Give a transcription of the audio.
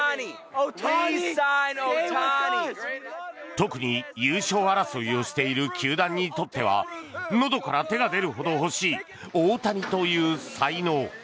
特に優勝争いをしている球団にとってはのどから手が出るほど欲しい大谷という才能。